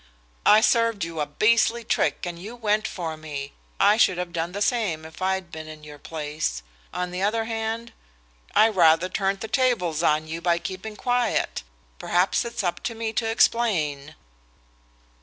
"I served you a beastly trick and you went for me. I should have done the same if I'd been in your place. On the other hand, I rather turned the tables on you by keeping quiet. Perhaps it's up to me to explain."